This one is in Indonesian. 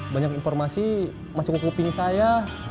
banyak informasi masuk ke kuping saya